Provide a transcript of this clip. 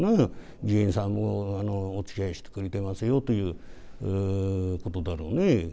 議員さんもおつきあいしてくれてますよということだろうね。